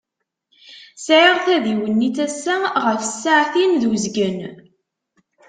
Sεiɣ tadiwennit assa ɣef ssaεtin d uzgen.